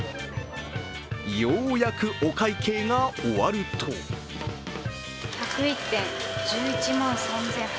ようやくお会計が終わると１０１点、１１万３０８１円。